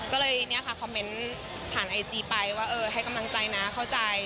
ก็เลยเนี่ยค่ะคอมเมนต์ผ่านไอจีไปว่าเออให้กำลังใจนะเข้าใจ